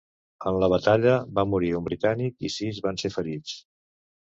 En la batalla va morir un britànic i sis van ser ferits.